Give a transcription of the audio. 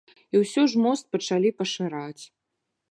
І ўсё ж мост пачалі пашыраць.